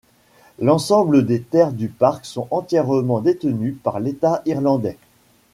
L'ensemble des terres du parc sont entièrement détenues par l'État irlandais.